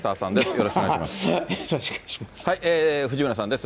よろしくお願いします。